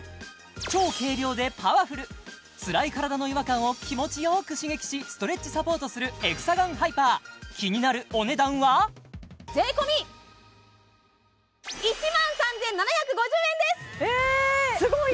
超軽量でパワフルツラい体の違和感を気持ちよく刺激しストレッチサポートするエクサガンハイパー税込え安い！